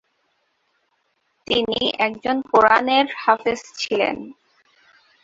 তিনি একজন কুরআনের হাফেজ ছিলেন।